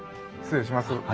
失礼します。